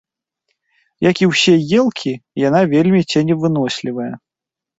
Як і ўсе елкі, яна вельмі ценевынослівая.